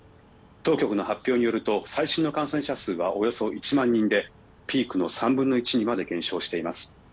当局の発表によると最新の感染者数はおよそ１万人でピークの３分の１にまで減少しています。